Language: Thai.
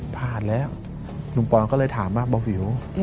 ผ่านแล้วลุงปอนก็เลยถามว่าเบาวิว